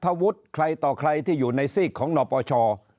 ทะวุฒิใครต่อใครที่อยู่ในสิ่งของหนอปอช